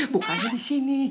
bukannya di sini